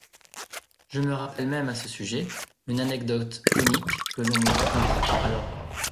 Je me rappelle même à ce sujet une anecdote comique que l'on me raconta alors.